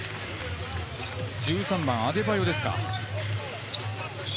１３番のアデバーヨですか。